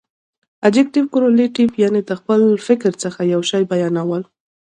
ابجګټف کورلیټف، یعني د خپل فکر څخه یو شي بیانول.